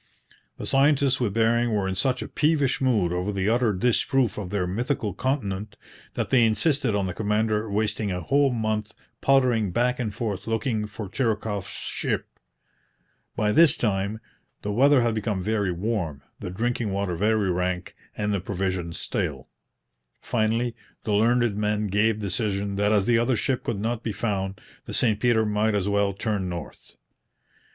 The scientists with Bering were in such a peevish mood over the utter disproof of their mythical continent that they insisted on the commander wasting a whole month pottering back and forth looking for Chirikoff's ship. By this time the weather had become very warm, the drinking water very rank, and the provisions stale. Finally, the learned men gave decision that as the other ship could not be found the St Peter might as well turn north.